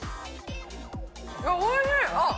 おいしい！